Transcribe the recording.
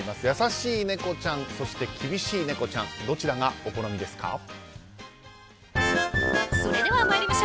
優しい猫ちゃんそして厳しい猫ちゃんどちらがお好みですか？